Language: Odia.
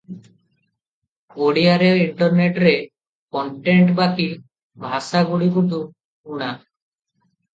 ଓଡ଼ିଆରେ ଇଣ୍ଟରନେଟରେ କଣ୍ଟେଣ୍ଟ ବାକି ଭାଷାଗୁଡ଼ିକଠୁ ଉଣା ।